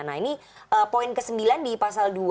nah ini poin ke sembilan di pasal dua